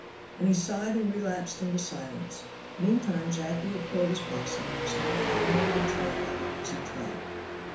And he sighed and relapsed into silence. Meantime Jacky had killed his opossum and was now following their trail at an easy trot.